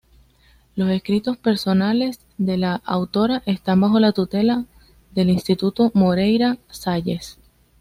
Los escritos personales de la autora están bajo la tutela del Instituto Moreira Salles.